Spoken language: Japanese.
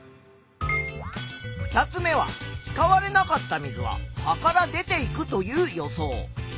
２つ目は使われなかった水は葉から出ていくという予想。